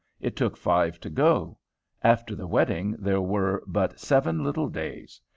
It took five to go. After the wedding there were but seven little days.